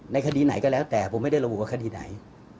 คดีไหนก็แล้วแต่ผมไม่ได้ระบุว่าคดีไหน